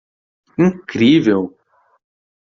Incrível!